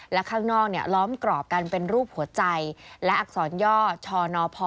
และข้างนอกล้อมกรอบกันเป็นรูปหัวใจและอักษรย่อชนพ